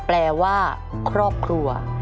แปลว่าครอบครัว